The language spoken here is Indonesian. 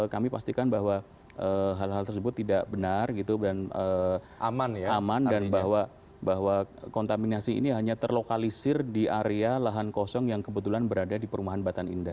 kami pastikan bahwa hal hal tersebut tidak benar dan aman bahwa kontaminasi ini hanya terlokalisir di area lahan kosong yang kebetulan berada di perumahan batan indah